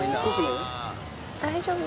え大丈夫？